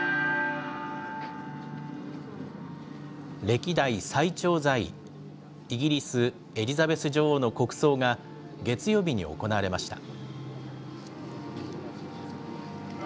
歴代最長在位、イギリス、エリザベス女王の国葬が月曜日に行われました。